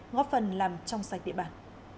góp phần làm trong sách địa bàn